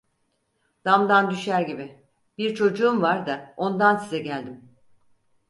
Damdan düşer gibi: "Bir çocuğum var da ondan size geldim!"